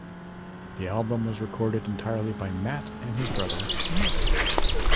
The album was recorded entirely by Matt and his brother, Mike.